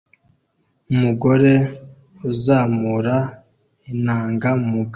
Umugore uzamura inanga mu bwato